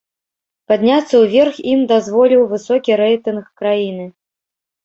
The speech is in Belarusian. Падняцца ўверх ім дазволіў высокі рэйтынг краіны.